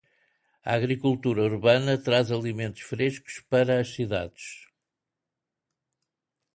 A agricultura urbana traz alimentos frescos para as cidades.